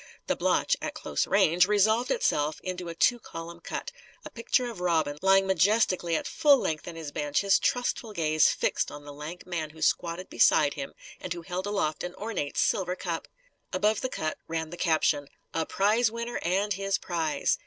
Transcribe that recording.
The blotch, at close range, resolved itself into a two column cut a picture of Robin, lying majestically at full length in his bench, his trustful gaze fixed on the lank man who squatted beside him and who held aloft an ornate silver cup! Above the cut ran the caption: "A PRIZE WINNER AND HIS PRIZE."